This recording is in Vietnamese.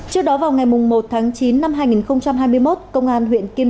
trước đó vào ngày một tháng chín năm hai nghìn hai mươi một công an huyện kim